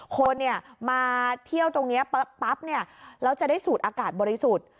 คนมาเที่ยวตรงนี้ปั๊บเนี่ยแล้วจะได้สูดอากาศบริสุทธิ์